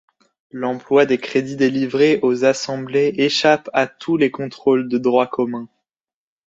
L'emploi des crédits délivrés aux assemblées échappe à tous les contrôles de Droit commun.